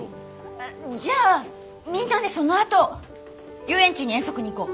あじゃあみんなでそのあと遊園地に遠足に行こう。